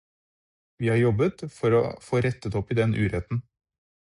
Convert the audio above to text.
Vi har jobbet for å få rettet opp i den uretten.